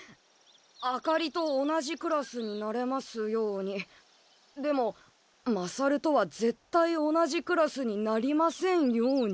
「あかりと同じクラスになれますようにでも勝とはぜったい同じクラスになりませんように」！？